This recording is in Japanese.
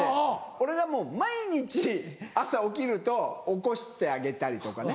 俺がもう毎日朝起きると起こしてあげたりとかね。